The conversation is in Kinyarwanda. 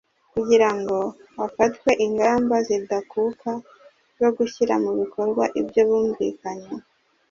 kugira ngo hafatwe ingamba zidakuka zo gushyira mu bikorwa ibyo bumvikanyeho